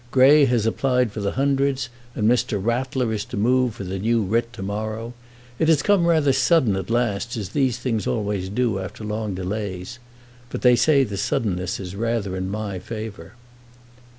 "Grey has applied for the Hundreds, and Mr. Rattler is to move for the new writ to morrow. It has come rather sudden at last, as these things always do after long delays. But they say the suddenness is rather in my favour."